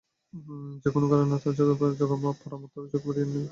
কোনো কারণে তার চোখে চোখ পড়ামাত্র চোখ ফিরিয়ে নিতে পারলেই যেন বাঁচি।